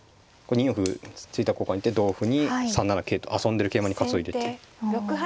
２四歩突いた効果によって同歩に３七桂と遊んでる桂馬に活を入れて。